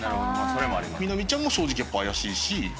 美波ちゃんも正直やっぱ怪しいし。